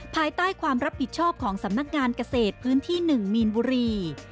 ภายใต้ความรับผิดชอบของสำนักงานเกษตรพื้นที่๑มีนบุรี